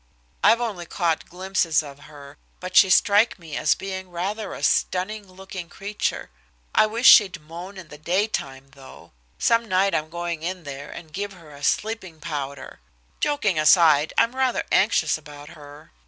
I've only caught glimpses of her, but she strikes me as being rather a stunning looking creature. I wish she'd moan in the daytime, though. Some night I'm going in there and give her a sleeping powder. Joking aside, I'm rather anxious about her.